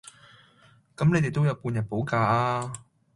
咁你哋都有半日補假呀